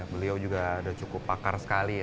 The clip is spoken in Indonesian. beliau juga sudah cukup pakar sekali